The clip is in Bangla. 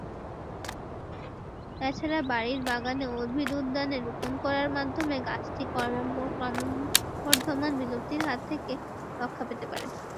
এছাড়া বাড়ির বাগানে, উদ্ভিদ উদ্যানে রোপণ করার মাধ্যমে গাছটি ক্রমবর্ধমান বিলুপ্তির হাত থেকে রক্ষা পেতে পারে।